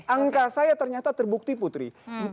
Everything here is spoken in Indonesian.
angka saya ternyata terbukti putri